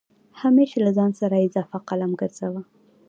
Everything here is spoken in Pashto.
همېش له ځان سره اضافه قلم ګرځوه